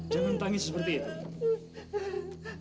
jangan menangis seperti itu